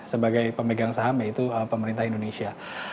sebagai pemegang saham yaitu pemerintah indonesia